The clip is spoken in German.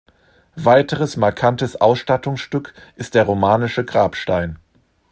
Weiteres markantes Ausstattungsstück ist der romanische Grabstein.